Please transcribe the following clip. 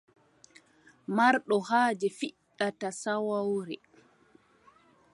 Marɗo haaje fiɗɗata saawawre.